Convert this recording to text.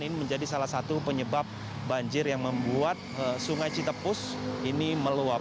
ini menjadi salah satu penyebab banjir yang membuat sungai citepus ini meluap